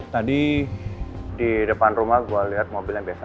tadi di depan rumah gue lihat mobil yang biasa